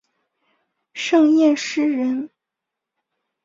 盛彦师人。